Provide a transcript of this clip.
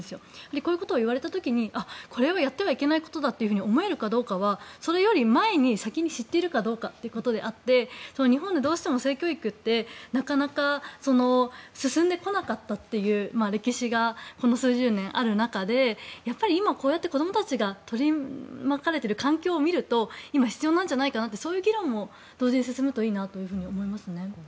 こういうことを言われた時にこれをやってはいけないと思えるかどうかはそれより前に、先に知っているかどうかということであって日本ってどうしても性教育ってなかなか進んでこなかったという歴史がこの数十年ある中で今、こうやって子どもたちが取り巻かれている環境を見ると今、必要なんじゃないかなってそういう議論も同時に進むといいなと思います。